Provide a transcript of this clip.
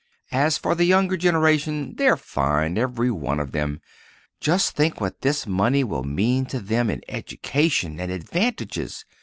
As for the younger generation—they're fine, every one of them; and just think what this money will mean to them in education and advantages!